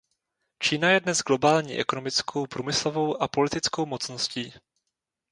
Čína je dnes globální ekonomickou, průmyslovou a politickou mocností.